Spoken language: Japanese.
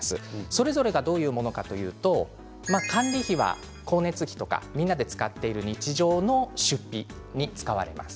それぞれがどういうものかというと管理費は光熱費とかみんなで使っている日常の出費などに使われます。